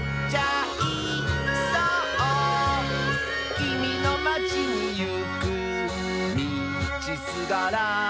「きみのまちにいくみちすがら」